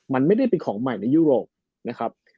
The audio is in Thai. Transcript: มันไม่ได้เป็นของใหม่ในยุโรปนะครับ